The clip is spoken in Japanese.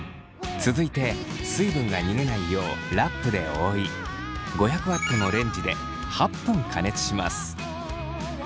続いて水分が逃げないようラップで覆い５００Ｗのレンジで８分加熱します。